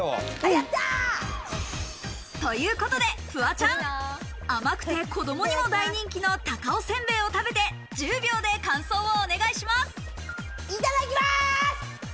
やった！ということでフワちゃん甘くて子供にも大人気の高尾せんべいを食べて１０秒で感想をお願いしますいただきます！